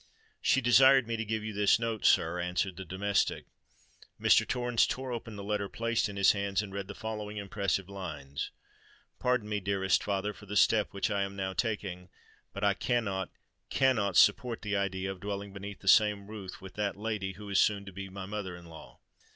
"She desired me to give you this note, sir," answered the domestic. Mr. Torrens tore open the letter placed in his hands, and read the following impressive lines:— "Pardon me, dearest father, for the step which I am now taking; but I cannot—cannot support the idea of dwelling beneath the same roof with that lady who is soon to be my mother in law.